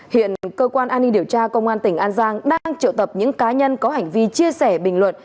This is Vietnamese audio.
hiện cơ quan an ninh điều tra công an tỉnh an giang đang triệu tập những cá nhân có hành vi chia sẻ bình luận